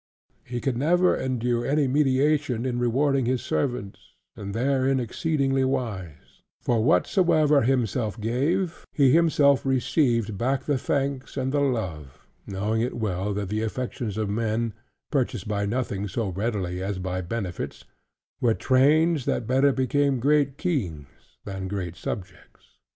He could never endure any mediation in rewarding his servants, and therein exceeding wise; for whatsoever himself gave, he himself received back the thanks and the love, knowing it well that the affections of men (purchased by nothing so readily as by benefits) were trains that better became great kings, than great subjects.